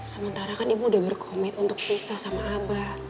sementara kan ibu udah berkomit untuk pisah sama abah